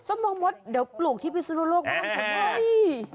โมงมดเดี๋ยวปลูกที่พิศนุโลกบ้าง